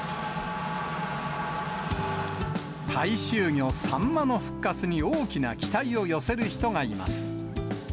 大衆魚、サンマの復活に大きな期待を寄せる人がいます。